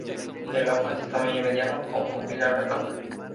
El ojo es de tamaño mediano con pupila redonda.